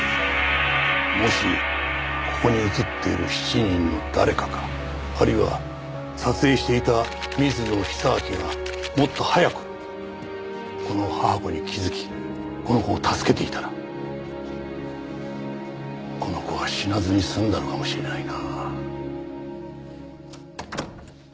もしここに写っている７人の誰かかあるいは撮影していた水野久明がもっと早くこの母子に気づきこの子を助けていたらこの子は死なずに済んだのかもしれないな。